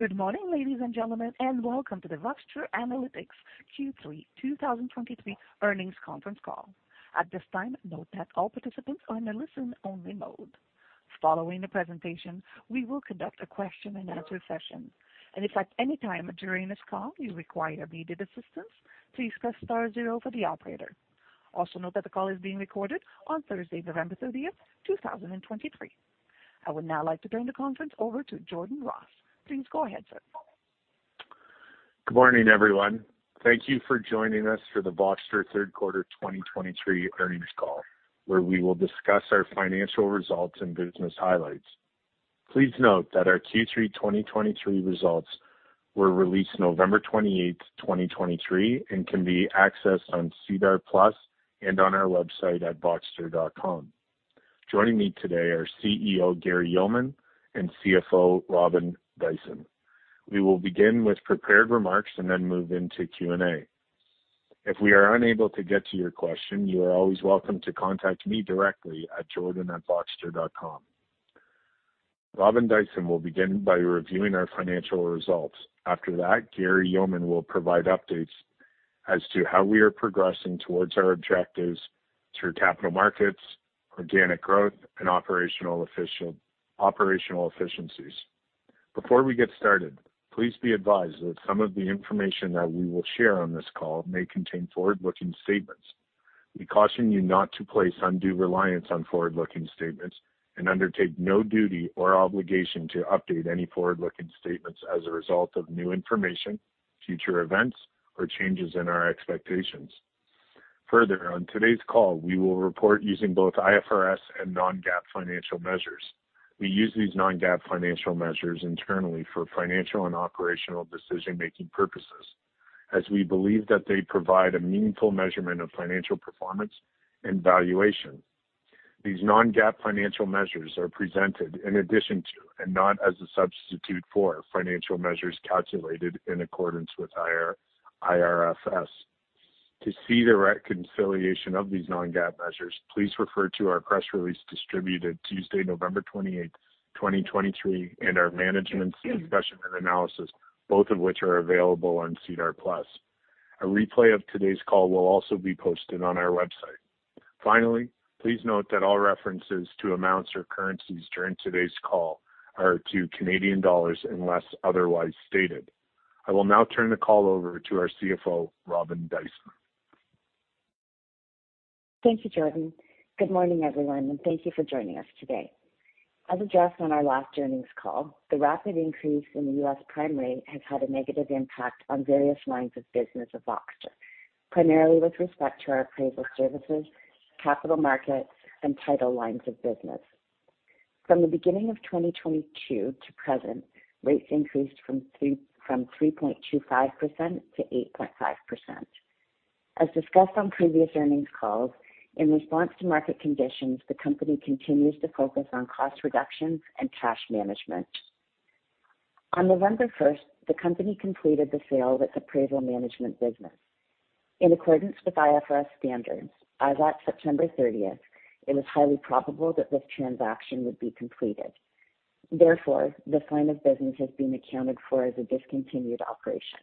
Good morning, ladies and gentlemen, and welcome to the Voxtur Analytics Q3 2023 Earnings Conference Call. At this time, note that all participants are in a listen-only mode. Following the presentation, we will conduct a question-and-answer session. If at any time during this call you require immediate assistance, please press star zero for the operator. Also, note that the call is being recorded on Thursday, November 30th, 2023. I would now like to turn the conference over to Jordan Ross. Please go ahead, sir. Good morning, everyone. Thank you for joining us for the Voxtur Q3 2023 Earnings Call, where we will discuss our financial results and business highlights. Please note that our Q3 2023 results were released November 28, 2023, and can be accessed on SEDAR+ and on our website at voxtur.com. Joining me today are CEO Gary Yeoman and CFO Robin Dyson. We will begin with prepared remarks and then move into Q&A. If we are unable to get to your question, you are always welcome to contact me directly at jordan@voxtur.com. Robin Dyson will begin by reviewing our financial results. After that, Gary Yeoman will provide updates as to how we are progressing towards our objectives through capital markets, organic growth, and operational efficiencies. Before we get started, please be advised that some of the information that we will share on this call may contain forward-looking statements. We caution you not to place undue reliance on forward-looking statements and undertake no duty or obligation to update any forward-looking statements as a result of new information, future events, or changes in our expectations. Further, on today's call, we will report using both IFRS and non-GAAP financial measures. We use these non-GAAP financial measures internally for financial and operational decision-making purposes, as we believe that they provide a meaningful measurement of financial performance and valuation. These non-GAAP financial measures are presented in addition to, and not as a substitute for, financial measures calculated in accordance with IFRS. To see the reconciliation of these non-GAAP measures, please refer to our press release distributed Tuesday, November 28, 2023, and our management's discussion and analysis, both of which are available on SEDAR+. A replay of today's call will also be posted on our website. Finally, please note that all references to amounts or currencies during today's call are to Canadian dollars, unless otherwise stated. I will now turn the call over to our CFO, Robin Dyson. Thank you, Jordan. Good morning, everyone, and thank you for joining us today. As addressed on our last earnings call, the rapid increase in the U.S. prime rate has had a negative impact on various lines of business of Voxtur, primarily with respect to our appraisal services, capital markets, and title lines of business. From the beginning of 2022 to present, rates increased from 3.25% to 8.5%. As discussed on previous earnings calls, in response to market conditions, the company continues to focus on cost reductions and cash management. On November 1st, the company completed the sale of its appraisal management business. In accordance with IFRS standards, as at September 30th, it was highly probable that this transaction would be completed. Therefore, this line of business has been accounted for as a discontinued operation.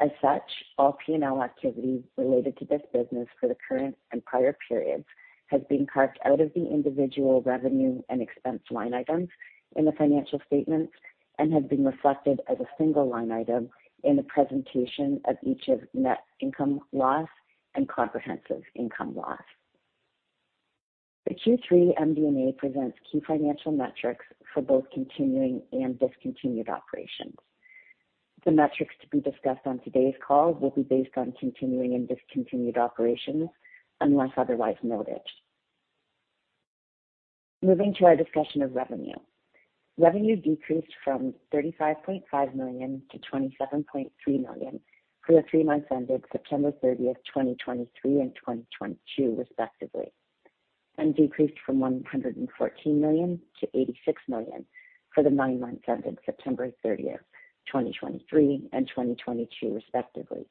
As such, all P&L activity related to this business for the current and prior periods has been carved out of the individual revenue and expense line items in the financial statements and has been reflected as a single line item in the presentation of each of net income loss and comprehensive income loss. The Q3 MD&A presents key financial metrics for both continuing and discontinued operations. The metrics to be discussed on today's call will be based on continuing and discontinued operations, unless otherwise noted. Moving to our discussion of revenue. Revenue decreased from 35.5 million to 27.3 million for the three months ended September 30th, 2023 and 2022, respectively, and decreased from 114 million to 86 million for the nine months ended September 30th, 2023 and 2022 respectively.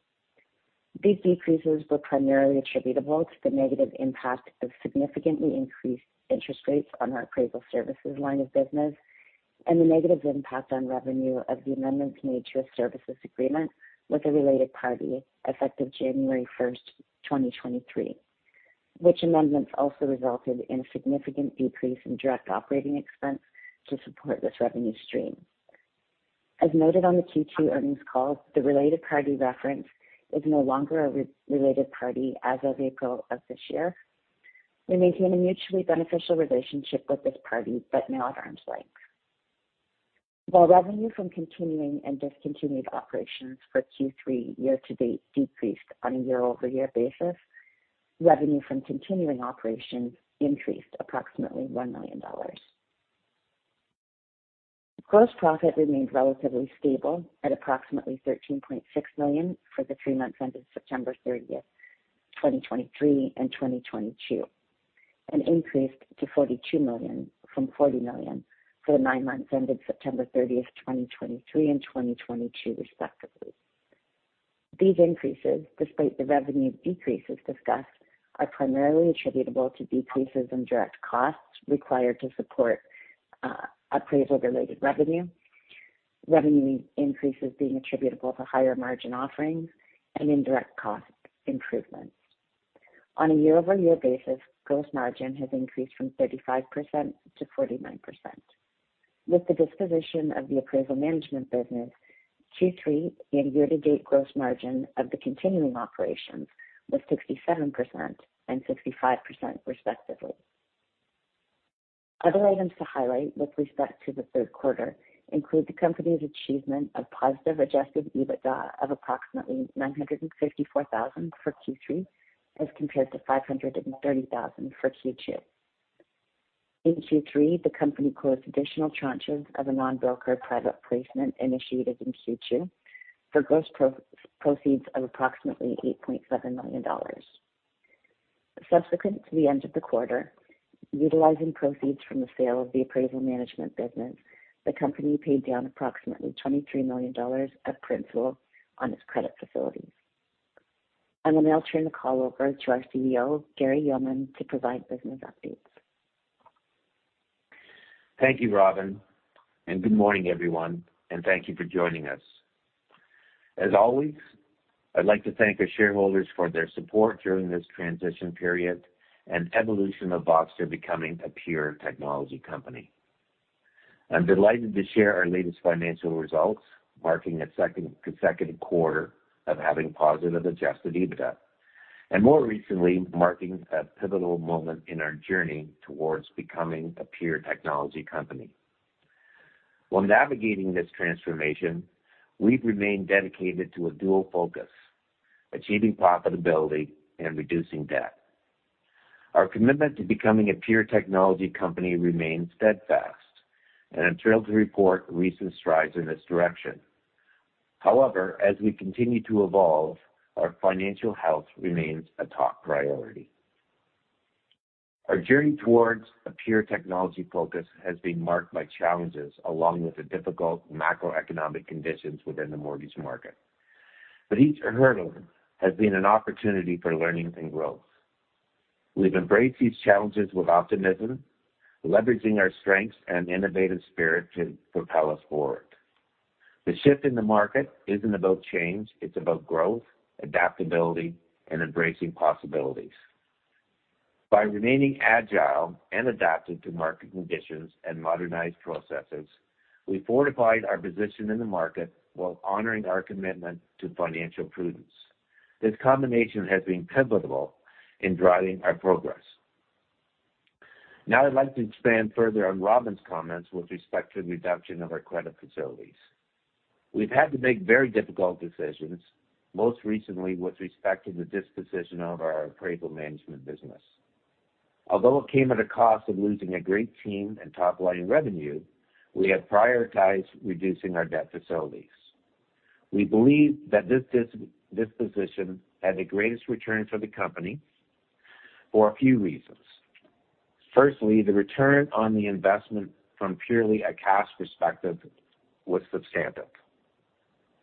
These decreases were primarily attributable to the negative impact of significantly increased interest rates on our appraisal services line of business and the negative impact on revenue of the amendments made to a services agreement with a related party effective January 1st, 2023, which amendments also resulted in a significant decrease in direct operating expense to support this revenue stream. As noted on the Q2 earnings call, the related party referenced is no longer a related party as of April of this year. We maintain a mutually beneficial relationship with this party, but now at arm's length. While revenue from continuing and discontinued operations for Q3 year-to-date decreased on a year-over-year basis, revenue from continuing operations increased approximately CAD 1 million. Gross profit remained relatively stable at approximately 13.6 million for the three months ended September 30th, 2023 and 2022, and increased to 42 million from 40 million for the nine months ended September 30th, 2023 and 2022, respectively. These increases, despite the revenue decreases discussed, are primarily attributable to decreases in direct costs required to support appraisal-related revenue. Revenue increases being attributable to higher-margin offerings and indirect cost improvements. On a year-over-year basis, gross margin has increased from 35% to 49%. With the disposition of the appraisal management business, Q3 and year-to-date gross margin of the continuing operations was 67% and 65%, respectively. Other items to highlight with respect to the Q3 include the company's achievement of positive Adjusted EBITDA of approximately 954 thousand for Q3, as compared to 530 thousand for Q2. In Q3, the company closed additional tranches of a non-broker private placement initiated in Q2 for gross proceeds of approximately 8.7 million dollars. Subsequent to the end of the quarter, utilizing proceeds from the sale of the appraisal management business, the company paid down approximately 23 million dollars of principal on its credit facilities. I will now turn the call over to our CEO, Gary Yeoman, to provide business updates. Thank you, Robin, and good morning, everyone, and thank you for joining us. As always, I'd like to thank our shareholders for their support during this transition period and evolution of Voxtur becoming a pure technology company. I'm delighted to share our latest financial results, marking a second consecutive quarter of having positive Adjusted EBITDA, and more recently, marking a pivotal moment in our journey towards becoming a pure technology company. While navigating this transformation, we've remained dedicated to a dual focus: achieving profitability and reducing debt. Our commitment to becoming a pure technology company remains steadfast, and I'm thrilled to report recent strides in this direction. However, as we continue to evolve, our financial health remains a top priority. Our journey towards a pure technology focus has been marked by challenges, along with the difficult macroeconomic conditions within the mortgage market. Each hurdle has been an opportunity for learning and growth. We've embraced these challenges with optimism, leveraging our strengths and innovative spirit to propel us forward. The shift in the market isn't about change, it's about growth, adaptability, and embracing possibilities. By remaining agile and adapting to market conditions and modernized processes, we fortified our position in the market while honoring our commitment to financial prudence. This combination has been pivotal in driving our progress. Now, I'd like to expand further on Robin's comments with respect to the reduction of our credit facilities. We've had to make very difficult decisions, most recently with respect to the disposition of our appraisal management business. Although it came at a cost of losing a great team and top-line revenue, we have prioritized reducing our debt facilities. We believe that this disposition had the greatest return for the company for a few reasons. Firstly, the return on the investment from purely a cash perspective was substantive.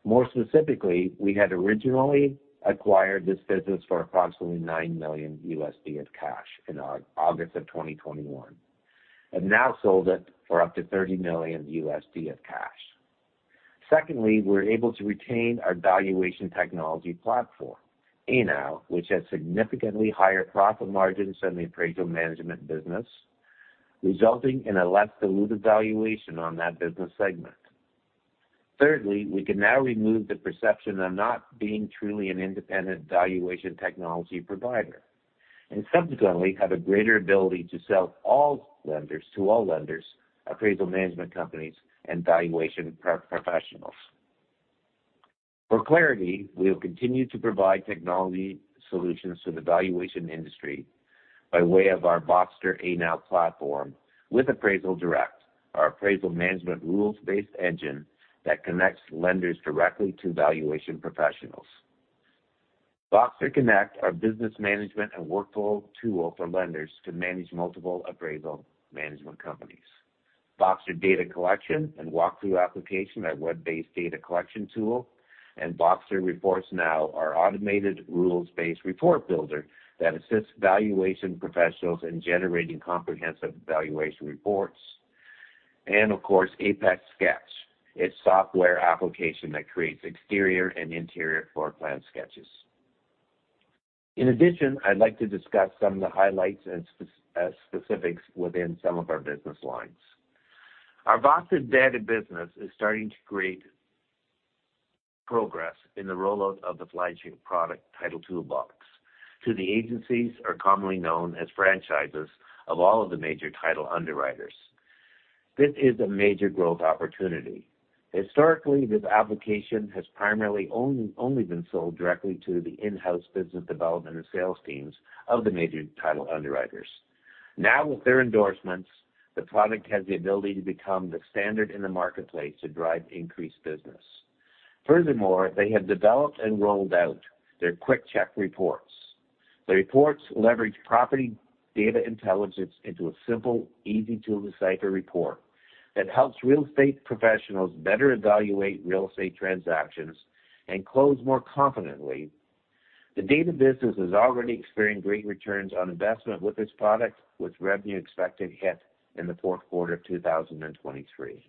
More specifically, we had originally acquired this business for approximately $9 million of cash in August of 2021, and now sold it for up to $30 million of cash. Secondly, we're able to retain our valuation technology platform, Anow, which has significantly higher profit margins than the appraisal management business, resulting in a less diluted valuation on that business segment. Thirdly, we can now remove the perception of not being truly an independent valuation technology provider, and subsequently, have a greater ability to sell to all lenders, appraisal management companies, and valuation professionals. For clarity, we will continue to provide technology solutions to the valuation industry by way of our Voxtur Anow platform with Appraisal Direct, our appraisal management rules-based engine that connects lenders directly to valuation professionals. Voxtur Connect, our business management and workflow tool for lenders to manage multiple appraisal management companies. Voxtur Data Collection and Walkthrough application, our web-based data collection tool, and Voxtur Reports Now, our automated rules-based report builder that assists valuation professionals in generating comprehensive valuation reports. And of course, Apex Sketch, a software application that creates exterior and interior floor plan sketches. In addition, I'd like to discuss some of the highlights and specifics within some of our business lines. Our Voxtur Data business is starting to create progress in the rollout of the flagship product, Title Toolbox, to the agencies, or commonly known as franchises, of all of the major title underwriters. This is a major growth opportunity. Historically, this application has primarily only, only been sold directly to the in-house business development and sales teams of the major title underwriters. Now, with their endorsements, the product has the ability to become the standard in the marketplace to drive increased business. Furthermore, they have developed and rolled out their QuickCheck reports.... The reports leverage property data intelligence into a simple, easy-to-decipher report that helps real estate professionals better evaluate real estate transactions and close more confidently. The data business has already experienced great returns on investment with this product, with revenue expected to hit in the Q4 of 2023.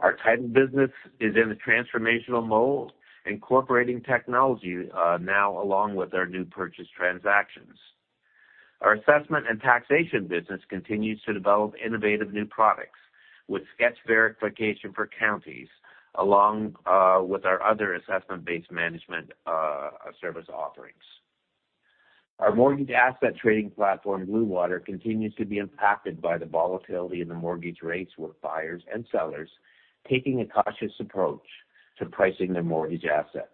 Our title business is in a transformational mode, incorporating technology now along with our new purchase transactions. Our assessment and taxation business continues to develop innovative new products with sketch verification for counties, along with our other assessment-based management service offerings. Our mortgage asset trading platform, Blue Water, continues to be impacted by the volatility in the mortgage rates, with buyers and sellers taking a cautious approach to pricing their mortgage assets.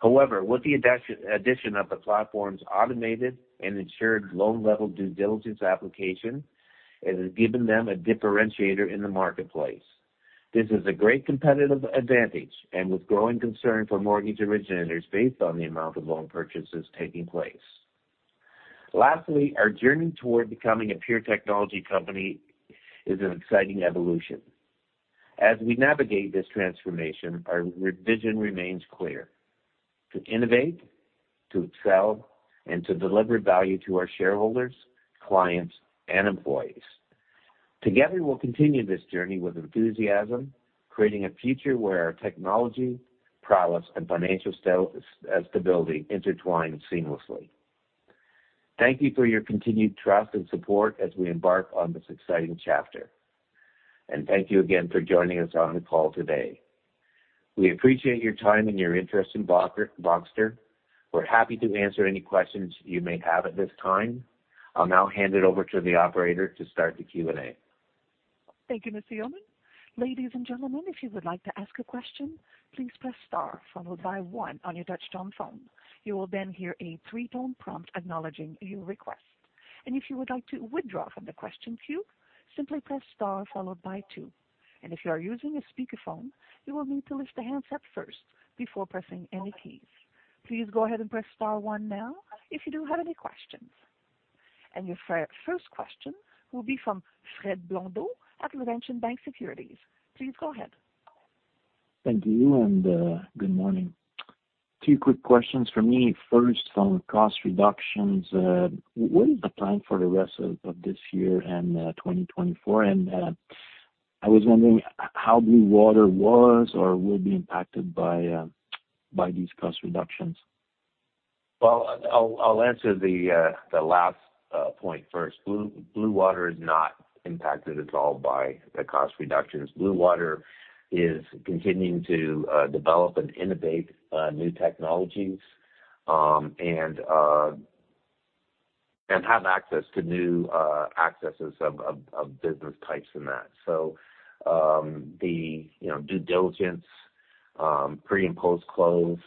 However, with the addition of the platform's automated and insured loan-level due diligence application, it has given them a differentiator in the marketplace. This is a great competitive advantage and with growing concern for mortgage originators based on the amount of loan purchases taking place. Lastly, our journey toward becoming a pure technology company is an exciting evolution. As we navigate this transformation, our vision remains clear: to innovate, to excel, and to deliver value to our shareholders, clients, and employees. Together, we'll continue this journey with enthusiasm, creating a future where technology, prowess, and financial stability intertwine seamlessly. Thank you for your continued trust and support as we embark on this exciting chapter. And thank you again for joining us on the call today. We appreciate your time and your interest in Voxtur. We're happy to answer any questions you may have at this time. I'll now hand it over to the operator to start the Q&A. Thank you, Mr. Yeoman. Ladies and gentlemen, if you would like to ask a question, please press star followed by one on your touch-tone phone. You will then hear a three-tone prompt acknowledging your request. If you would like to withdraw from the question queue, simply press star followed by two. If you are using a speakerphone, you will need to lift the handset first before pressing any keys. Please go ahead and press star one now if you do have any questions. Your first question will be from Fred Blondeau at Laurentian Bank Securities. Please go ahead. Thank you, and, good morning. Two quick questions for me. First, on cost reductions, what is the plan for the rest of, of this year and, 2024? And, I was wondering how Blue Water was or will be impacted by, by these cost reductions? Well, I'll answer the last point first. Blue Water is not impacted at all by the cost reductions. Blue Water is continuing to develop and innovate new technologies, and have access to new asset classes in that. So, you know, the due diligence pre- and post-close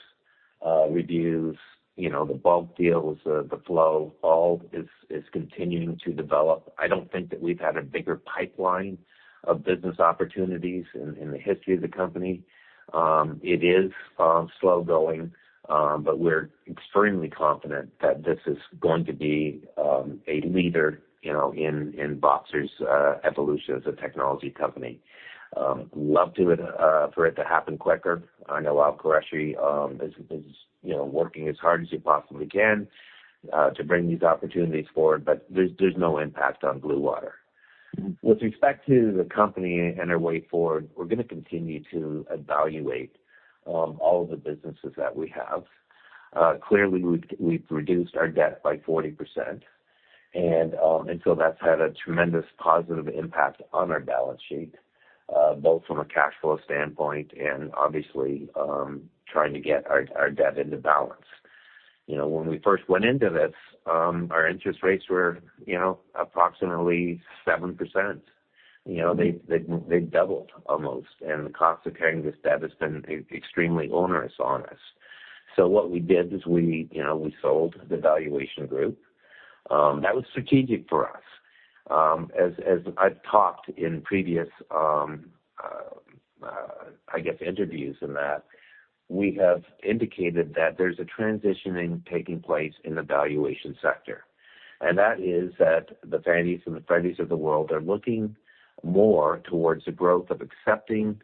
reviews, you know, the bulk deals, the flow, all is continuing to develop. I don't think that we've had a bigger pipeline of business opportunities in the history of the company. It is slow-going, but we're extremely confident that this is going to be a leader, you know, in Voxtur's evolution as a technology company. I'd love for it to happen quicker. I know Alan Qureshi, you know, is working as hard as he possibly can to bring these opportunities forward, but there's no impact on Blue Water. With respect to the company and our way forward, we're gonna continue to evaluate all of the businesses that we have. Clearly, we've reduced our debt by 40%, and so that's had a tremendous positive impact on our balance sheet, both from a cash flow standpoint and obviously trying to get our debt into balance. You know, when we first went into this, our interest rates were, you know, approximately 7%. You know, they doubled almost, and the cost of carrying this debt has been extremely onerous on us. So what we did is we, you know, we sold the valuation group. That was strategic for us. As I've talked in previous interviews and that, we have indicated that there's a transitioning taking place in the valuation sector, and that is that the Fannies and the Freddies of the world are looking more towards the growth of accepting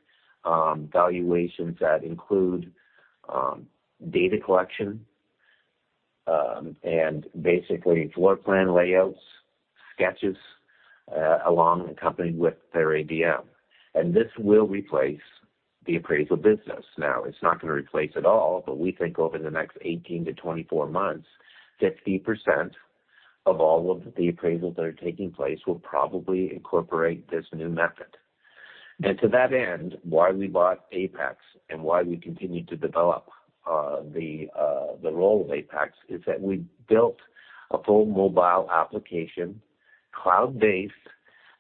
valuations that include data collection and basically floor plan layouts, sketches, along and accompanied with their ADM. And this will replace the appraisal business. Now, it's not gonna replace it all, but we think over the next 18-24 months, 50% of all of the appraisals that are taking place will probably incorporate this new method. And to that end, why we bought Apex and why we continue to develop the role of Apex, is that we built a full mobile application, cloud-based,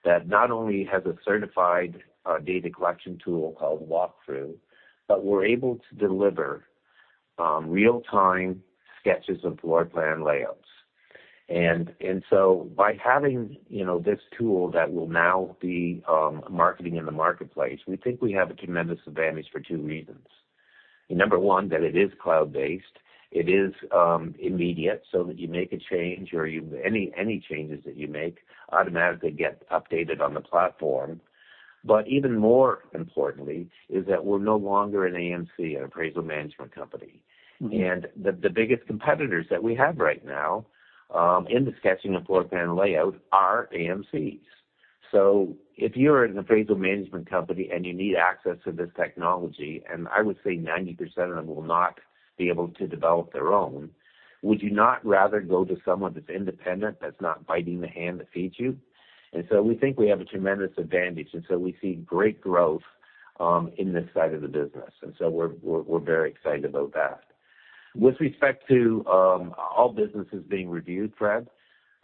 that not only has a certified data collection tool called Walkthrough, but we're able to deliver real-time sketches of floor plan layouts. And so by having, you know, this tool that will now be marketing in the marketplace, we think we have a tremendous advantage for two reasons. Number one, that it is cloud-based, it is immediate, so that you make a change or you any changes that you make automatically get updated on the platform. But even more importantly, is that we're no longer an AMC, an appraisal management company. And the biggest competitors that we have right now in the sketching and floor plan layout are AMCs. So if you're an appraisal management company and you need access to this technology, and I would say 90% of them will not be able to develop their own, would you not rather go to someone that's independent, that's not biting the hand that feeds you? And so we think we have a tremendous advantage, and so we see great growth in this side of the business. And so we're very excited about that. With respect to all businesses being reviewed, Fred,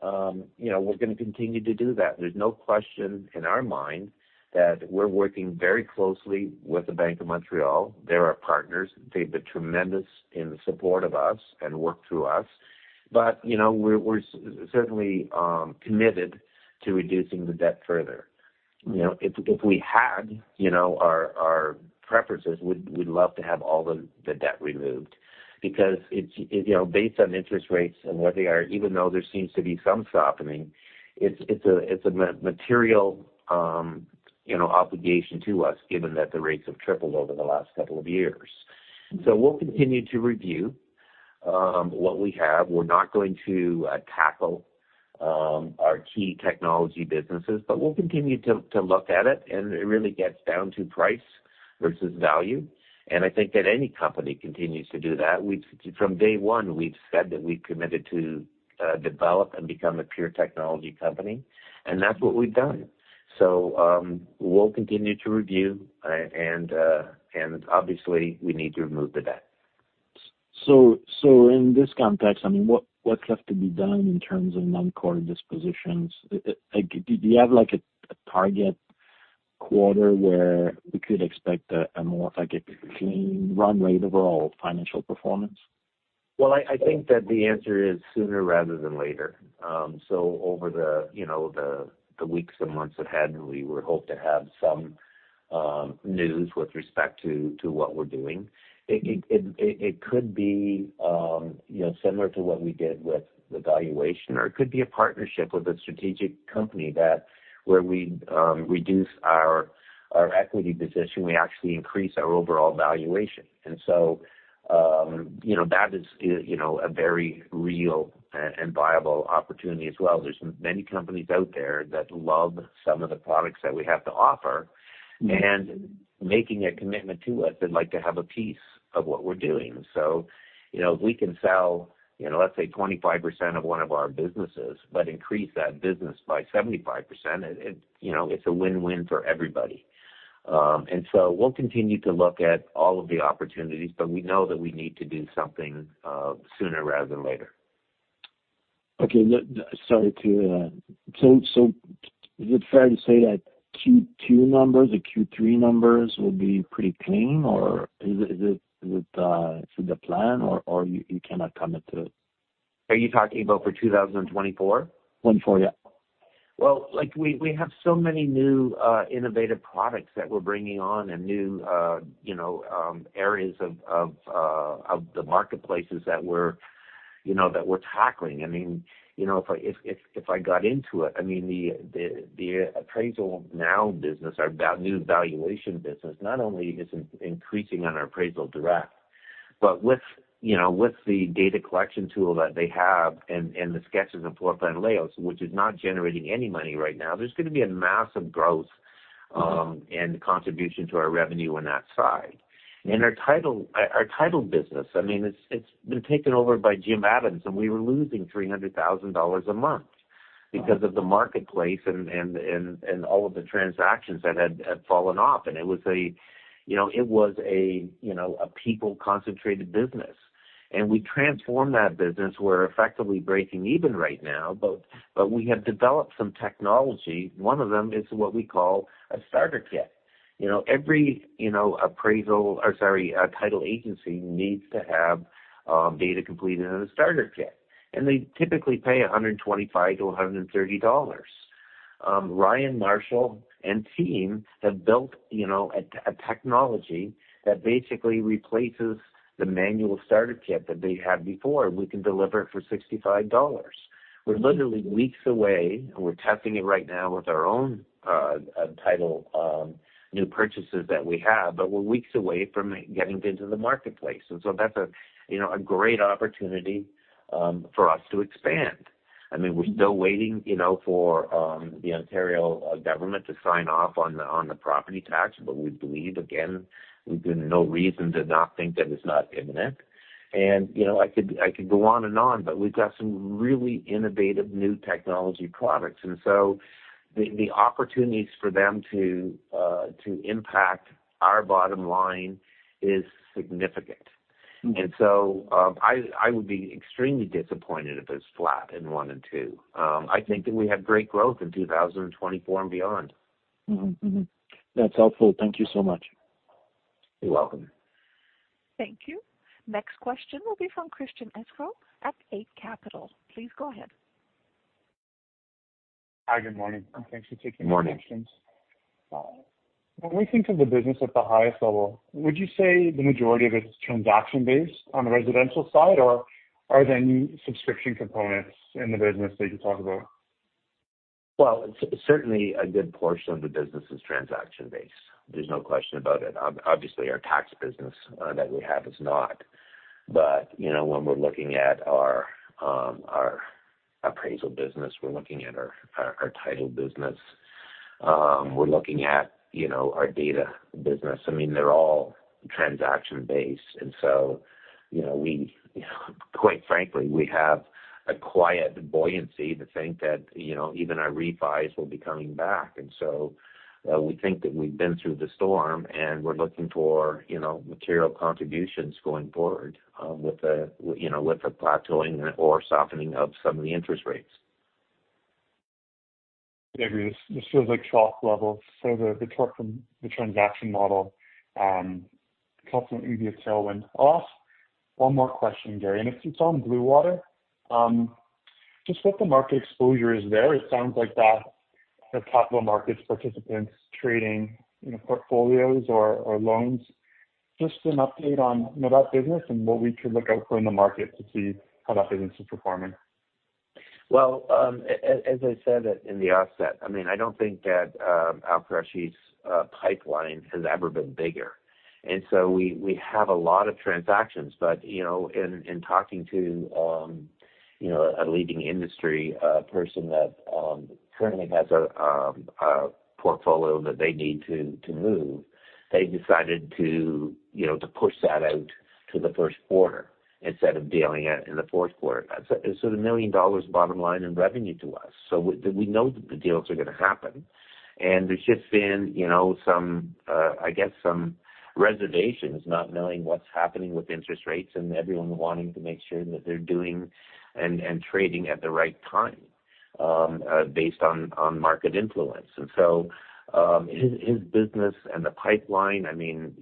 you know, we're gonna continue to do that. There's no question in our mind that we're working very closely with the Bank of Montreal. They're our partners. They've been tremendous in support of us and work through us. But, you know, we're certainly committed to reducing the debt further. You know, if we had our preferences, we'd love to have all the debt removed. Because it's, you know, based on interest rates and what they are, even though there seems to be some softening, it's a material, you know, obligation to us, given that the rates have tripled over the last couple of years. So we'll continue to review what we have. We're not going to tackle our key technology businesses, but we'll continue to look at it, and it really gets down to price versus value. And I think that any company continues to do that. We. From day one, we've said that we've committed to develop and become a pure technology company, and that's what we've done. So, we'll continue to review, and obviously, we need to remove the debt. So in this context, I mean, what, what's left to be done in terms of non-core dispositions? Do you have like a, a target quarter where we could expect a, a more, like a clean runway overall financial performance? Well, I think that the answer is sooner rather than later. So over the, you know, the weeks and months ahead, we would hope to have some news with respect to what we're doing. It could be, you know, similar to what we did with the valuation, or it could be a partnership with a strategic company that where we reduce our equity position, we actually increase our overall valuation. And so, you know, that is a very real and viable opportunity as well. There's many companies out there that love some of the products that we have to offer, and making a commitment to us, they'd like to have a piece of what we're doing. You know, if we can sell, you know, let's say, 25% of one of our businesses, but increase that business by 75%, it you know, it's a win-win for everybody. So we'll continue to look at all of the opportunities, but we know that we need to do something sooner rather than later. Okay. Sorry to... So, so is it fair to say that Q2 numbers or Q3 numbers will be pretty clean, or is it, is it, is it the plan, or, or you, you cannot commit to it? Are you talking about for 2024? 2024, yeah. Well, like, we have so many new innovative products that we're bringing on and new, you know, areas of the marketplaces that we're, you know, that we're tackling. I mean, you know, if I got into it, I mean, the Anow business, our new valuation business, not only is increasing on our Appraisal Direct, but with, you know, with the data collection tool that they have and the sketches and floor plan layouts, which is not generating any money right now, there's gonna be a massive growth and contribution to our revenue on that side. Our title business, I mean, it's been taken over by Jim Adams, and we were losing 300,000 dollars a month because of the marketplace and all of the transactions that had fallen off. It was a, you know, a people-concentrated business. We transformed that business. We're effectively breaking even right now, but we have developed some technology. One of them is what we call a starter kit. You know, every, you know, appraisal, or sorry, title agency needs to have data completed in a starter kit, and they typically pay 125-130 dollars. Ryan Marshall and team have built, you know, a technology that basically replaces the manual starter kit that they had before. We can deliver it for 65 dollars. We're literally weeks away. We're testing it right now with our own title new purchases that we have, but we're weeks away from getting it into the marketplace. And so that's a you know a great opportunity for us to expand. I mean, we're still waiting, you know, for the Ontario government to sign off on the property tax, but we believe, again, we've been no reason to not think that it's not imminent. And you know I could go on and on, but we've got some really innovative new technology products. And so the opportunities for them to impact our bottom line is significant. And so I would be extremely disappointed if it's flat in one and two. I think that we have great growth in 2024 and beyond. Mm-hmm. Mm-hmm. That's helpful. Thank you so much.... You're welcome. Thank you. Next question will be from Christian Sgro at Eight Capital. Please go ahead. Hi, good morning, and thanks for taking my questions. Good morning. When we think of the business at the highest level, would you say the majority of it is transaction-based on the residential side, or are there any subscription components in the business that you talk about? Well, certainly a good portion of the business is transaction-based. There's no question about it. Obviously, our tax business, that we have is not. But, you know, when we're looking at our, our appraisal business, we're looking at our, our title business, we're looking at, you know, our data business, I mean, they're all transaction-based. And so, you know, we, quite frankly, we have a quiet buoyancy to think that, you know, even our refis will be coming back. And so, we think that we've been through the storm, and we're looking for, you know, material contributions going forward, with the, you know, with the plateauing or softening of some of the interest rates. Agreed. This feels like trough levels, so the trough from the transaction model, constantly be a tailwind. I'll ask one more question, Gary, and it's on Blue Water. Just what the market exposure is there? it sounds like that the capital markets participants trading, you know, portfolios or, or loans. Just an update on that business and what we should look out for in the market to see how that business is performing. Well, as I said in the offset, I mean, I don't think that, Alan Qureshi's pipeline has ever been bigger, and so we, we have a lot of transactions. But, you know, in, in talking to, you know, a leading industry person that, currently has a, a portfolio that they need to, to move, they decided to, you know, to push that out to the Q1 instead of dealing it in the Q4. So it's 1 million dollars bottom line in revenue to us. So we, we know that the deals are gonna happen, and there's just been, you know, some, I guess, some reservations, not knowing what's happening with interest rates and everyone wanting to make sure that they're doing and, and trading at the right time, based on, on market influence. And so, his business and the pipeline, I mean,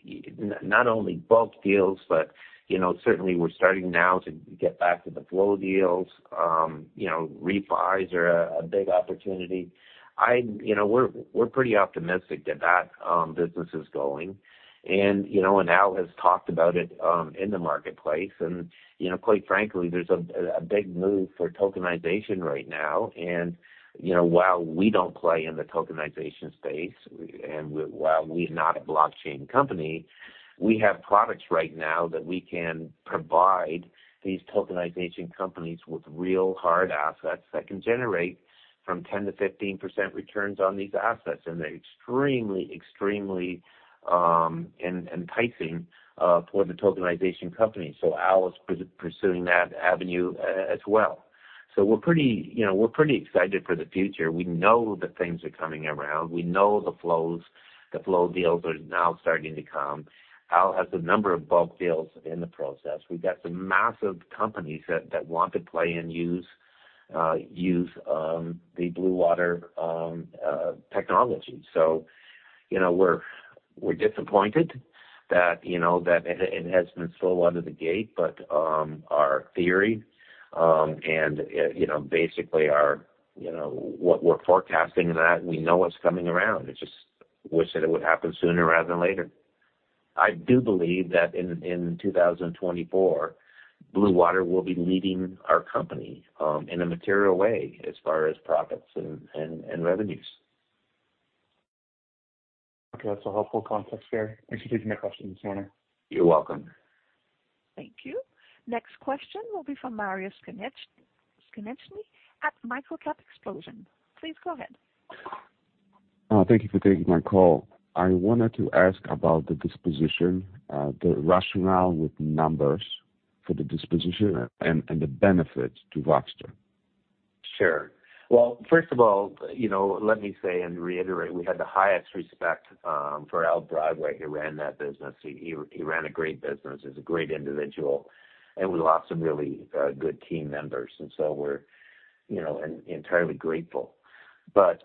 not only bulk deals, but you know, certainly we're starting now to get back to the flow deals. You know, refis are a big opportunity. You know, we're pretty optimistic that business is going and, you know, and Al has talked about it in the marketplace. And, you know, quite frankly, there's a big move for tokenization right now. And, you know, while we don't play in the tokenization space, and while we're not a blockchain company, we have products right now that we can provide these tokenization companies with real hard assets that can generate 10%-15% returns on these assets, and they're extremely enticing for the tokenization company. So Al is pursuing that avenue as well. So we're pretty, you know, we're pretty excited for the future. We know that things are coming around. We know the flows, the flow deals are now starting to come. Al has a number of bulk deals in the process. We've got some massive companies that want to play and use the Blue Water technology. So, you know, we're disappointed that, you know, that it has been slow out of the gate, but our theory and, you know, basically our, you know, what we're forecasting and that, we know what's coming around. It's just wish that it would happen sooner rather than later. I do believe that in 2024, Blue Water will be leading our company in a material way as far as profits and revenues. Okay, that's a helpful context, Gary. Thanks for taking my question this morning. You're welcome. Thank you. Next question will be from Mariusz Skonieczny at Microcap Explosion. Please go ahead. Thank you for taking my call. I wanted to ask about the disposition, the rationale with numbers for the disposition and, and the benefits to Voxtur. Sure. Well, first of all, you know, let me say and reiterate, we had the highest respect for Al Broadway, who ran that business. He, he ran a great business. He's a great individual, and we lost some really good team members, and so we're, you know, entirely grateful. But,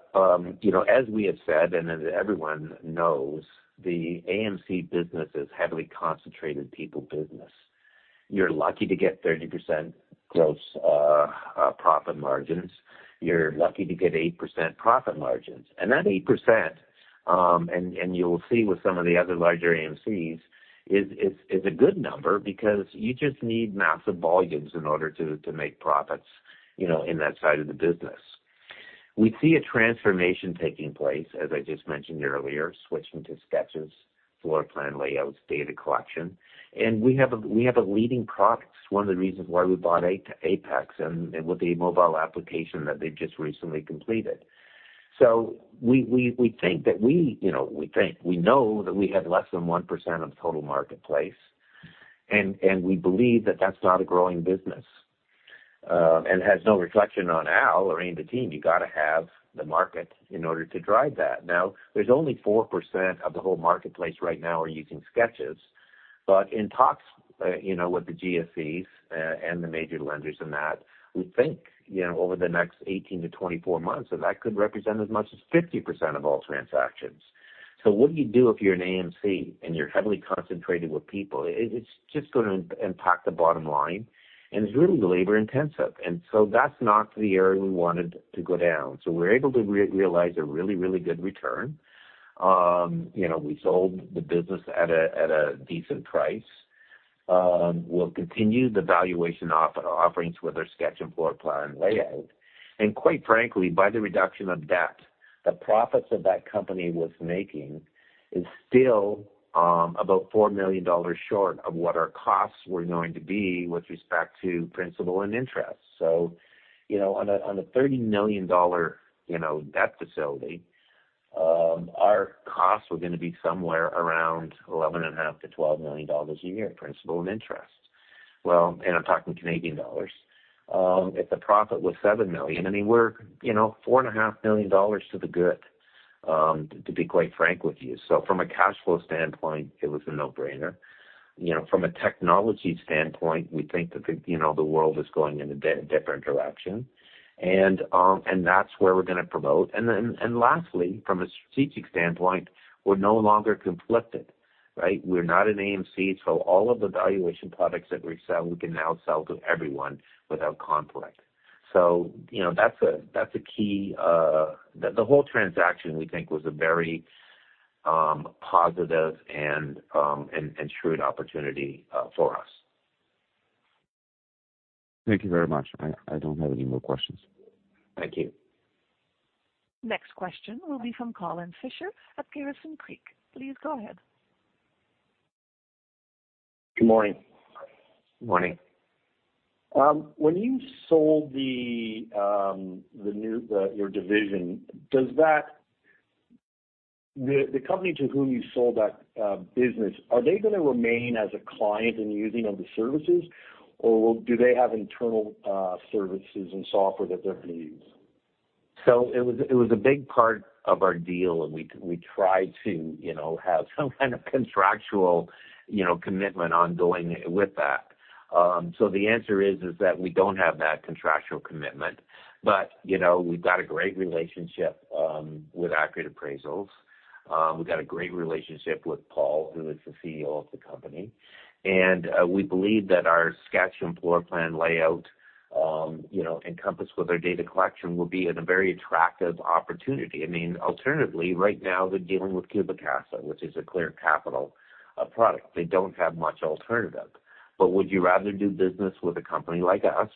you know, as we have said, and as everyone knows, the AMC business is heavily concentrated people business. You're lucky to get 30% gross profit margins. You're lucky to get 8% profit margins. And that 8%, and, and you'll see with some of the other larger AMCs, is a good number because you just need massive volumes in order to make profits, you know, in that side of the business. We see a transformation taking place, as I just mentioned earlier, switching to sketches, floor plan layouts, data collection, and we have a leading product. It's one of the reasons why we bought Apex, and with the mobile application that they've just recently completed. So we think that, you know, we know that we have less than 1% of the total marketplace, and we believe that that's not a growing business and has no reflection on Al or any of the team. You got to have the market in order to drive that. Now, there's only 4% of the whole marketplace right now are using sketches.... But in talks, you know, with the GSEs and the major lenders in that, we think, you know, over the next 18-24 months, that that could represent as much as 50% of all transactions. So what do you do if you're an AMC and you're heavily concentrated with people? It's just gonna impact the bottom line, and it's really labor intensive. So that's not the area we wanted to go down. We're able to realize a really, really good return. You know, we sold the business at a decent price. We'll continue the valuation offerings with our sketch and floor plan layout. Quite frankly, by the reduction of debt, the profits that that company was making is still about 4 million dollars short of what our costs were going to be with respect to principal and interest. So, you know, on a 30 million dollar debt facility, our costs were gonna be somewhere around 11.5 million-12 million dollars a year, principal and interest. Well, and I'm talking Canadian dollars. If the profit was 7 million, I mean, we're, you know, 4.5 million dollars to the good, to be quite frank with you. So from a cash flow standpoint, it was a no-brainer. You know, from a technology standpoint, we think that the world is going in a different direction, and that's where we're gonna promote. Lastly, from a strategic standpoint, we're no longer conflicted, right? We're not an AMC, so all of the valuation products that we sell, we can now sell to everyone without conflict. So, you know, that's a key. The whole transaction, we think, was a very positive and shrewd opportunity for us. Thank you very much. I don't have any more questions. Thank you. Next question will be from Colin Fisher at Garrison Creek. Please go ahead. Good morning. Morning. When you sold your division, does the company to whom you sold that business, are they gonna remain as a client in using of the services, or do they have internal services and software that they're gonna use? So it was a big part of our deal, and we tried to, you know, have some kind of contractual, you know, commitment ongoing with that. So the answer is that we don't have that contractual commitment, but, you know, we've got a great relationship with Accurate Appraisals. We've got a great relationship with Paul, who is the CEO of the company. And we believe that our sketch and floor plan layout, you know, encompassed with our data collection, will be in a very attractive opportunity. I mean, alternatively, right now, they're dealing with CubiCasa, which is a Clear Capital product. They don't have much alternative. But would you rather do business with a company like us,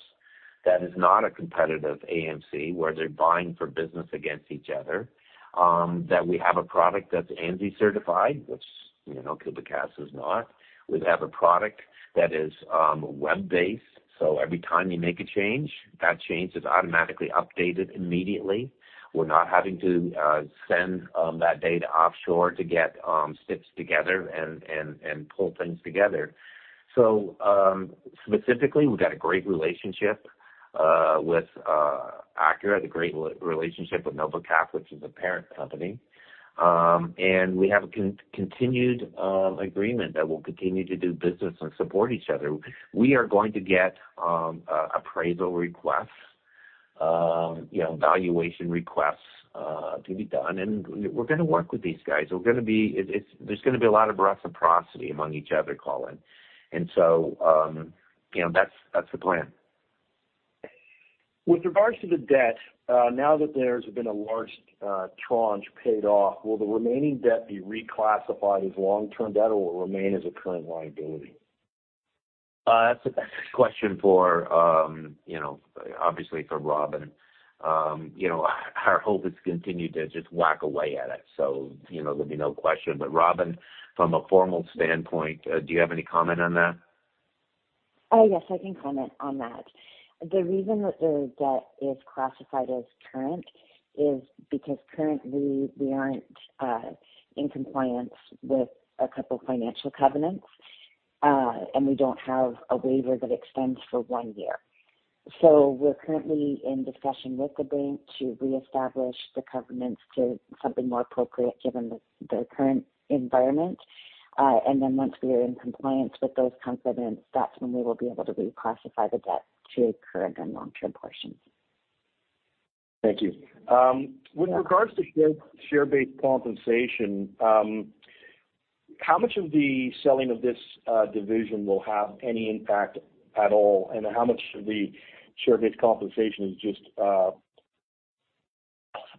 that is not a competitive AMC, where they're buying for business against each other? That we have a product that's ANSI certified, which, you know, CubiCasa is not. We have a product that is web-based, so every time you make a change, that change is automatically updated immediately. We're not having to send that data offshore to get stitched together and pull things together. So, specifically, we've got a great relationship with Accurate, a great relationship with Novacap, which is a parent company. And we have a continued agreement that we'll continue to do business and support each other. We are going to get appraisal requests, you know, valuation requests to be done, and we're gonna work with these guys. There's gonna be a lot of reciprocity among each other, Colin. And so, you know, that's the plan. With regards to the debt, now that there's been a large tranche paid off, will the remaining debt be reclassified as long-term debt or will remain as a current liability? That's a question for, you know, obviously, for Robin. You know, our hope is to continue to just whack away at it. So, you know, there'll be no question. But Robin, from a formal standpoint, do you have any comment on that? Yes, I can comment on that. The reason that the debt is classified as current is because currently we aren't in compliance with a couple financial covenants, and we don't have a waiver that extends for one year. So we're currently in discussion with the bank to reestablish the covenants to something more appropriate given the current environment. And then once we are in compliance with those covenants, that's when we will be able to reclassify the debt to current and long-term portions. Thank you. With regards to share, share-based compensation, how much of the selling of this division will have any impact at all, and how much of the share-based compensation is just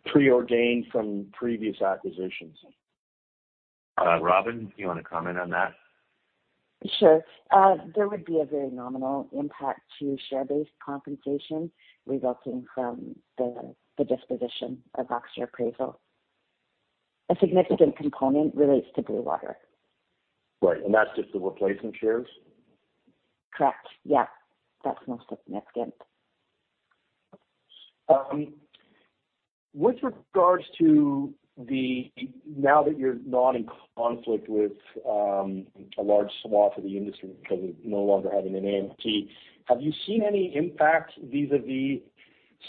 preordained from previous acquisitions? Robin, do you want to comment on that? Sure. There would be a very nominal impact to share-based compensation resulting from the disposition of Accurate Appraisals. A significant component relates to Blue Water. Right, and that's just the replacement shares? Correct. Yeah, that's most significant. With regards to the... Now that you're not in conflict with a large swath of the industry because of no longer having an AMC, have you seen any impact vis-à-vis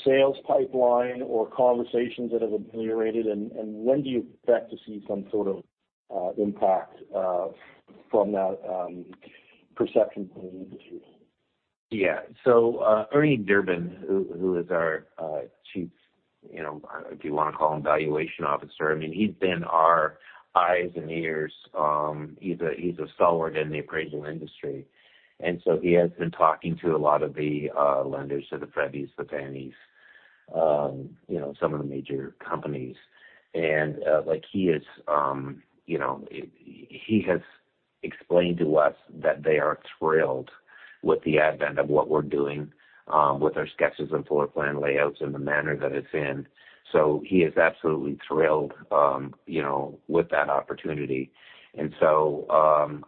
sales pipeline or conversations that have ameliorated? And when do you expect to see some sort of impact from that perception point of view? Yeah. So, Ernie Durbin, who, who is our Chief Valuation Officer, you know, if you wanna call him that, I mean, he's been our eyes and ears. He's a, he's a stalwart in the appraisal industry, and so he has been talking to a lot of the lenders, to the Freddies, the Fannies, you know, some of the major companies. And, like he is, you know, he, he has explained to us that they are thrilled with the advent of what we're doing, with our sketches and floor plan layouts in the manner that it's in. So he is absolutely thrilled, you know, with that opportunity. And so,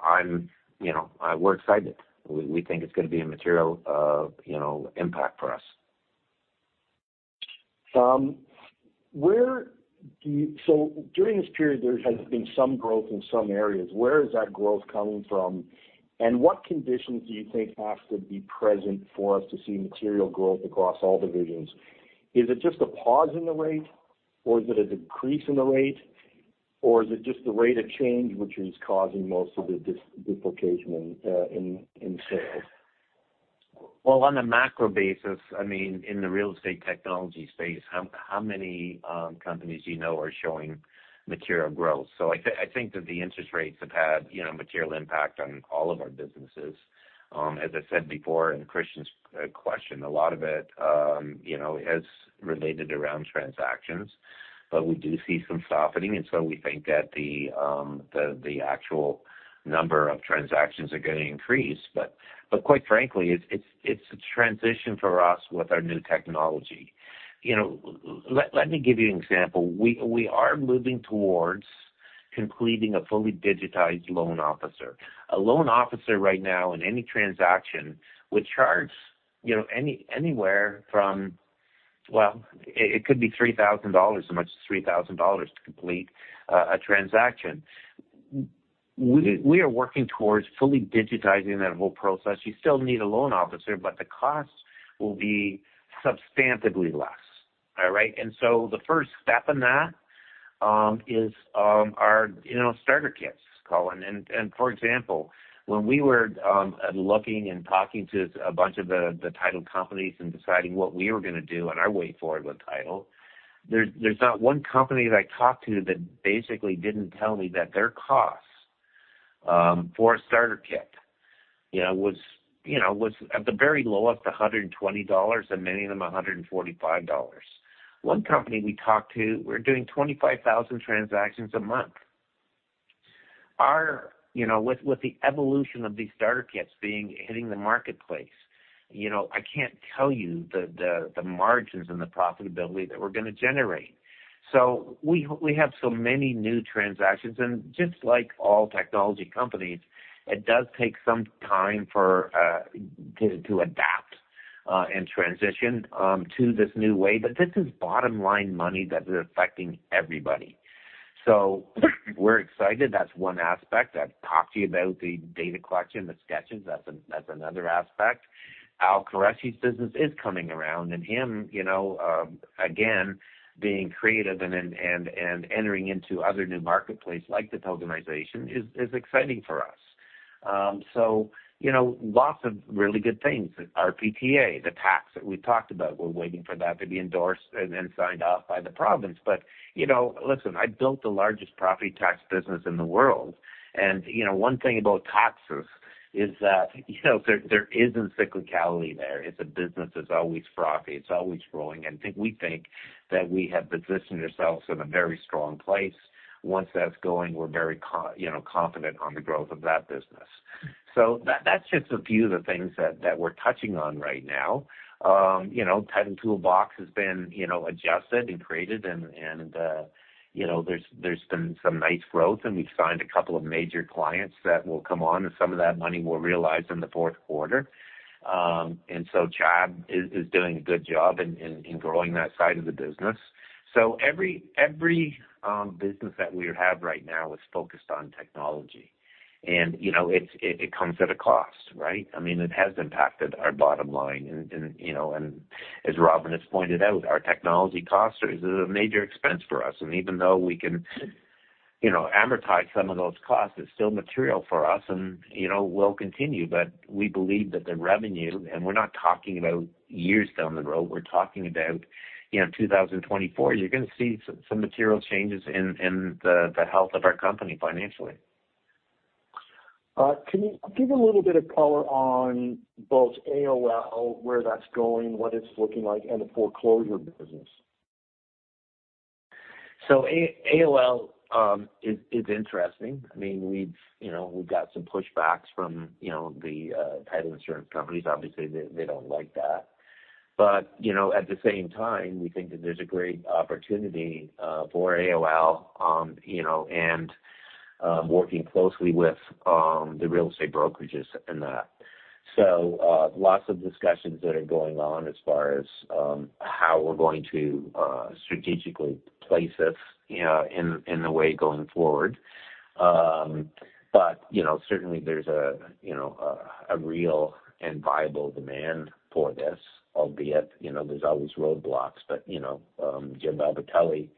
I'm, you know, we're excited. We, we think it's gonna be a material, you know, impact for us. So during this period, there has been some growth in some areas. Where is that growth coming from? And what conditions do you think have to be present for us to see material growth across all divisions? Is it just a pause in the rate, or is it a decrease in the rate, or is it just the rate of change, which is causing most of the disruption in sales? Well, on a macro basis, I mean, in the real estate technology space, how many companies do you know are showing material growth? So I think that the interest rates have had, you know, material impact on all of our businesses. As I said before, in Christian's question, a lot of it, you know, has related around transactions, but we do see some softening, and so we think that the actual number of transactions are gonna increase. But quite frankly, it's a transition for us with our new technology. You know, let me give you an example. We are moving towards completing a fully digitized loan officer. A loan officer right now, in any transaction, would charge, you know, anywhere from... Well, it could be 3,000 dollars, as much as 3,000 dollars to complete a transaction. We are working towards fully digitizing that whole process. You still need a loan officer, but the costs will be substantively less. All right? And so the first step in that is our starter kits, Colin. And for example, when we were looking and talking to a bunch of the title companies and deciding what we were gonna do on our way forward with title, there's not one company that I talked to that basically didn't tell me that their costs for a starter kit was at the very lowest, 120 dollars, and many of them, 145 dollars. One company we talked to, we're doing 25,000 transactions a month. You know, with the evolution of these starter kits hitting the marketplace, you know, I can't tell you the margins and the profitability that we're gonna generate. So we have so many new transactions, and just like all technology companies, it does take some time to adapt and transition to this new way. But this is bottom-line money that is affecting everybody. So we're excited. That's one aspect. I've talked to you about the data collection, the sketches, that's another aspect. Alan Qureshi's business is coming around, and him, you know, again, being creative and then entering into other new marketplace, like the tokenization, is exciting for us. So, you know, lots of really good things. RPTA, the tax that we talked about, we're waiting for that to be endorsed and then signed off by the province. But, you know, listen, I built the largest property tax business in the world, and, you know, one thing about taxes is that, you know, there is in cyclicality there. It's a business that's always frothy, it's always growing, and we think that we have positioned ourselves in a very strong place. Once that's going, we're very you know, confident on the growth of that business. So that's just a few of the things that we're touching on right now. You know, Title Toolbox has been, you know, adjusted and created and, you know, there's been some nice growth, and we've signed a couple of major clients that will come on, and some of that money will realize in the Q4. And so Chad is doing a good job in growing that side of the business. So every business that we have right now is focused on technology. And, you know, it comes at a cost, right? I mean, it has impacted our bottom line, and, you know, and as Robin has pointed out, our technology costs are a major expense for us. And even though we can, you know, amortize some of those costs, it's still material for us, and, you know, will continue. But we believe that the revenue, and we're not talking about years down the road, we're talking about, you know, 2024, you're gonna see some material changes in the health of our company financially. Can you give a little bit of color on both AOL, where that's going, what it's looking like, and the foreclosure business? So AOL is interesting. I mean, we've, you know, we've got some pushbacks from, you know, the title insurance companies. Obviously, they don't like that. But, you know, at the same time, we think that there's a great opportunity for AOL, you know, and working closely with the real estate brokerages in that. So lots of discussions that are going on as far as how we're going to strategically place this, you know, in the way going forward. But, you know, certainly there's a real and viable demand for this, albeit, you know, there's always roadblocks. But, you know, Jim Albertelli...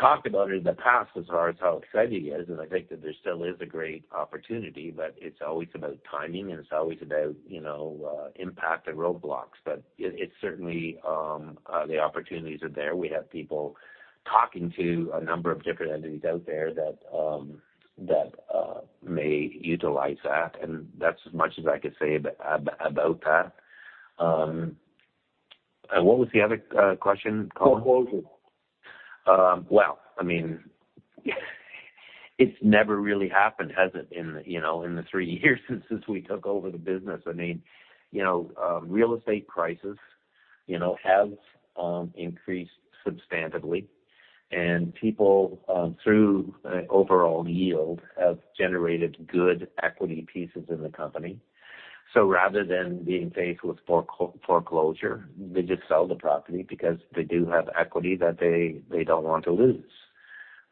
Talked about it in the past as far as how exciting it is, and I think that there still is a great opportunity, but it's always about timing, and it's always about, you know, impact and roadblocks. But it's certainly the opportunities are there. We have people talking to a number of different entities out there that may utilize that, and that's as much as I could say about that. And what was the other question, Colin? Foreclosure. Well, I mean, it's never really happened, has it, in the three years since we took over the business. I mean, you know, real estate prices, you know, have increased substantively, and people through overall yield have generated good equity pieces in the company. So rather than being faced with foreclosure, they just sell the property because they do have equity that they don't want to lose.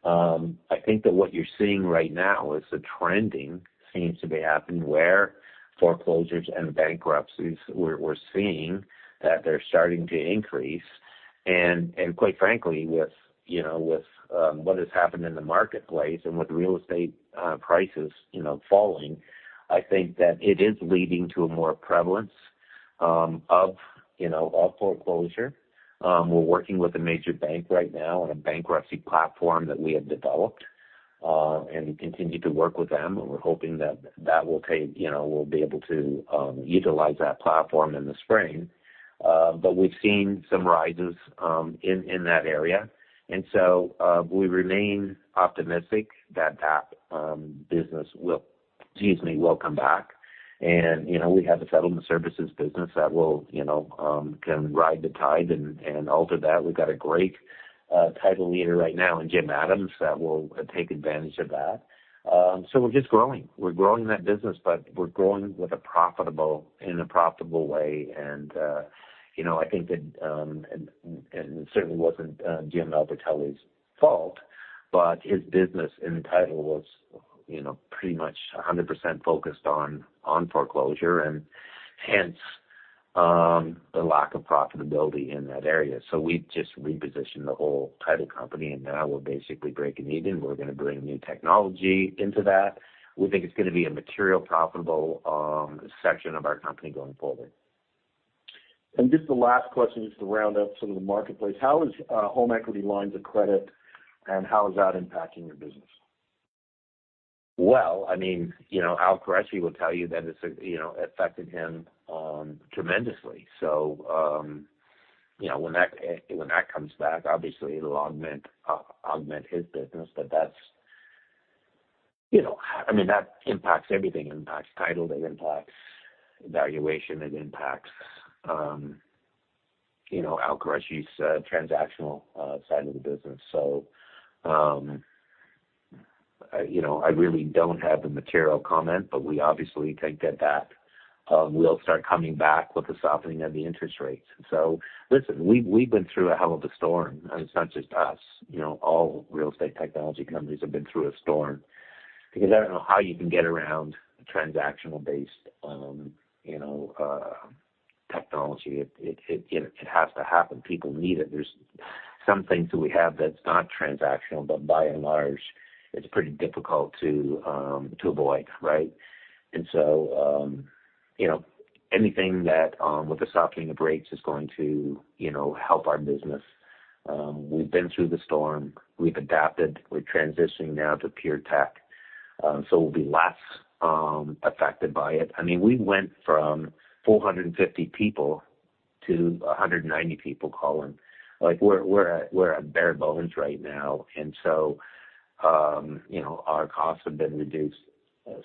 I think that what you're seeing right now is a trending seems to be happening where foreclosures and bankruptcies, we're seeing that they're starting to increase. And quite frankly, with what has happened in the marketplace and with real estate prices, you know, falling, I think that it is leading to a more prevalence of foreclosure. We're working with a major bank right now on a bankruptcy platform that we have developed, and we continue to work with them, and we're hoping that that will take... You know, we'll be able to utilize that platform in the spring. But we've seen some rises in that area. And so we remain optimistic that that business will, excuse me, come back. And you know, we have a settlement services business that will, you know, can ride the tide, and alter that. We've got a great title leader right now in Jim Adams that will take advantage of that. So we're just growing. We're growing that business, but we're growing with a profitable, in a profitable way. And, you know, I think that, and, and it certainly wasn't Jim Albertelli's fault, but his business in title was, you know, pretty much 100% focused on foreclosure and hence, the lack of profitability in that area. So we just repositioned the whole title company, and now we're basically breaking even. We're gonna bring new technology into that. We think it's gonna be a material profitable section of our company going forward. Just the last question, just to round up some of the marketplace: How is home equity lines of credit? And how is that impacting your business? Well, I mean, you know, Alan Qureshi will tell you that it's, you know, affected him tremendously. So, you know, when that comes back, obviously it'll augment his business. But that's, you know... I mean, that impacts everything. It impacts title, it impacts valuation, it impacts, you know, Alan Qureshi's transactional side of the business. So, I, you know, I really don't have the material comment, but we obviously think that that will start coming back with the softening of the interest rates. So listen, we've been through a hell of a storm, and it's not just us. You know, all real estate technology companies have been through a storm. Because I don't know how you can get around transactional based, you know, technology. It has to happen. People need it. There's some things that we have that's not transactional, but by and large, it's pretty difficult to avoid, right? And so, you know, anything that with the softening of rates is going to, you know, help our business. We've been through the storm. We've adapted. We're transitioning now to pure tech, so we'll be less affected by it. I mean, we went from 450 people to 190 people, Colin. Like, we're at bare bones right now, and so, you know, our costs have been reduced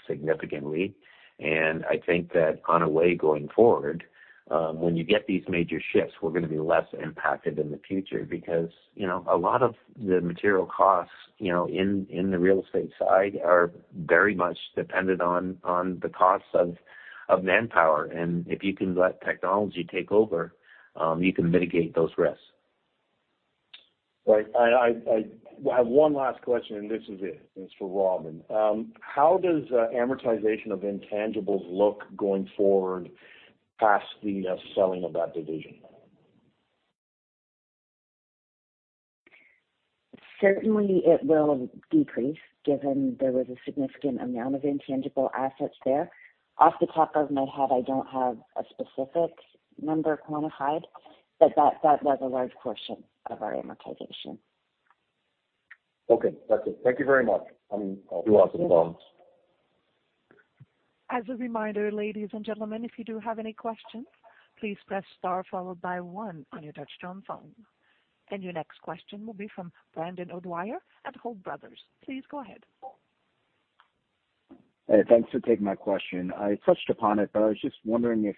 significantly. I think that on a way going forward, when you get these major shifts, we're gonna be less impacted in the future because, you know, a lot of the material costs, you know, in the real estate side are very much dependent on the costs of manpower. If you can let technology take over, you can mitigate those risks. Right. I have one last question, and this is it, and it's for Robin. How does amortization of intangibles look going forward past the selling of that division? Certainly, it will decrease, given there was a significant amount of intangible assets there. Off the top of my head, I don't have a specific number quantified, but that, that was a large portion of our amortization. Okay. That's it. Thank you very much. I mean- You're welcome, Colin. As a reminder, ladies and gentlemen, if you do have any questions, please press star followed by one on your touch-tone phone. Your next question will be from Brendan O'Dwyer at Hold Brothers. Please go ahead. Hey, thanks for taking my question. I touched upon it, but I was just wondering if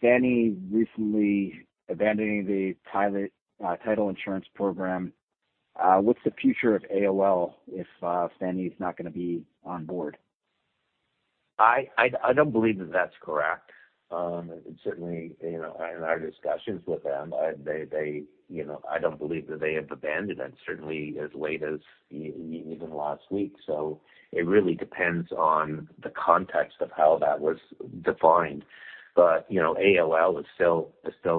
Fannie recently abandoning the title, title insurance program, what's the future of AOL if Fannie's not gonna be on board? I don't believe that that's correct. Certainly, you know, in our discussions with them, they, you know, I don't believe that they have abandoned it, certainly as late as even last week. So it really depends on the context of how that was defined. But, you know, AOL is still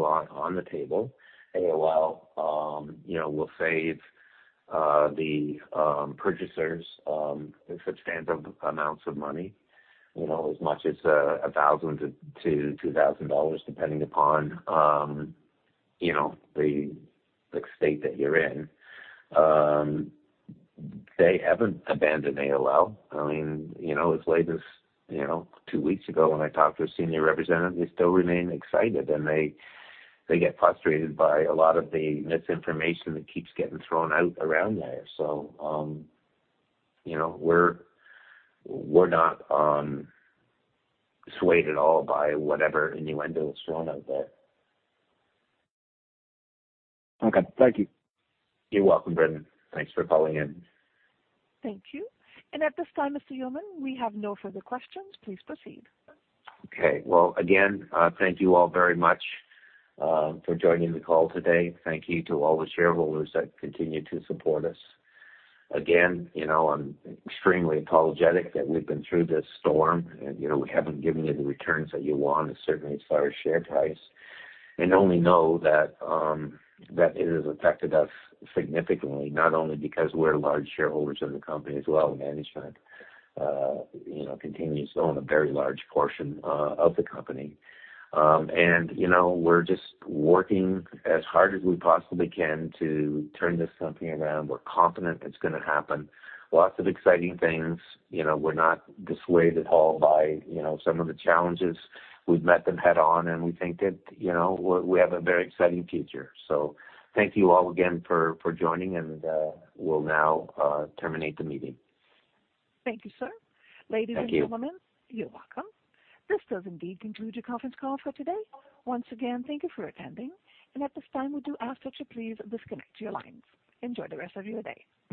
on the table. AOL, you know, we'll save the purchasers in substantial amounts of money, you know, as much as 1,000-2,000 dollars, depending upon, you know, the state that you're in. They haven't abandoned AOL. I mean, you know, as late as two weeks ago when I talked to a senior representative, they still remain excited, and they get frustrated by a lot of the misinformation that keeps getting thrown out around there. So, you know, we're not swayed at all by whatever innuendo is thrown out there. Okay. Thank you. You're welcome, Brendan. Thanks for calling in. Thank you. At this time, Mr. Yeoman, we have no further questions. Please proceed. Okay. Well, again, thank you all very much for joining the call today. Thank you to all the shareholders that continue to support us. Again, you know, I'm extremely apologetic that we've been through this storm, and, you know, we haven't given you the returns that you want, and certainly as far as share price. And only know that it has affected us significantly, not only because we're large shareholders of the company as well, management, you know, continues to own a very large portion of the company. And, you know, we're just working as hard as we possibly can to turn this company around. We're confident it's gonna happen. Lots of exciting things. You know, we're not dissuaded at all by, you know, some of the challenges. We've met them head-on, and we think that, you know, we have a very exciting future. So thank you all again for joining, and we'll now terminate the meeting. Thank you, sir. Thank you. Ladies and gentlemen... You're welcome. This does indeed conclude your conference call for today. Once again, thank you for attending, and at this time, we do ask that you please disconnect your lines. Enjoy the rest of your day.